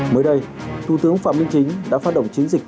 mới đây thủ tướng phạm minh chính đã phát động chiến dịch